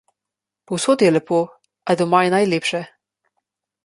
Povsod je lepo, a doma je najlepše.